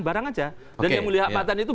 barang aja dan yang membeli hak patent itu